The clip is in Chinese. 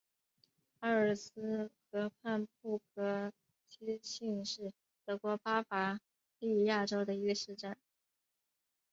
阿尔茨河畔布格基兴是德国巴伐利亚州的一个市镇。